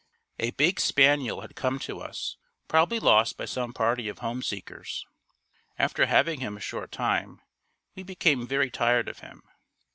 A big spaniel had come to us, probably lost by some party of homeseekers. After having him a short time, we became very tired of him.